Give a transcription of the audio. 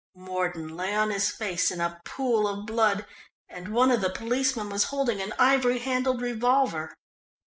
Mordon lay on his face in a pool of blood, and one of the policemen was holding an ivory handled revolver.